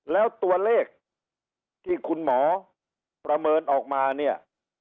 แล้วตัวเลขที่คุณหมอประเมินออกมาเนี่ย